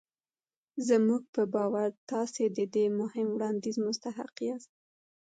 زموږ په باور تاسې د دې مهم وړانديز مستحق ياست.